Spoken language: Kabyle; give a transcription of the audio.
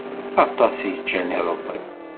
Aṭas i ččan iḍelli.